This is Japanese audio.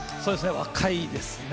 若いですね。